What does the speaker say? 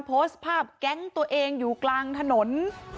โพสต์ภาพแก๊งตัวเองอยู่กลางถนน